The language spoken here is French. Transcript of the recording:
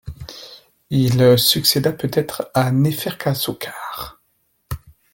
Il succéda peut-être à Néferkasokar.